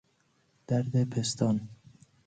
درد پستان